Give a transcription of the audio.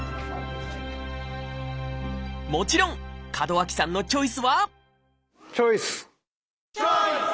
もちろん門脇さんのチョイスはチョイス！